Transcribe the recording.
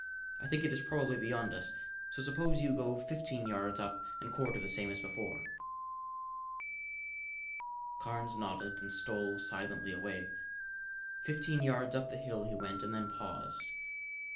"I think it is probably beyond us, so suppose you go fifteen yards up and quarter the same as before." Carnes nodded and stole silently away. Fifteen yards up the hill he went and then paused.